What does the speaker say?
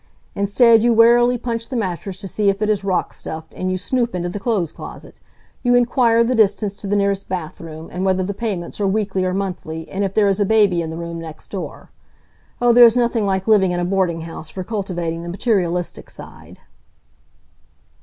Instead you warily punch the mattress to see if it is rock stuffed, and you snoop into the clothes closet; you inquire the distance to the nearest bath room, and whether the payments are weekly or monthly, and if there is a baby in the room next door. Oh, there's nothing like living in a boarding house for cultivating the materialistic side.